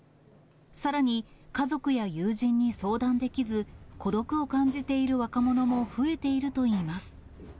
さらに、家族や友人に相談できず、孤独を感じている若者も増えているといいます。